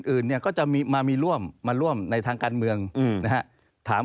อื่นเนี่ยก็จะมีมามีร่วมมาร่วมในทางการเมืองนะฮะถาม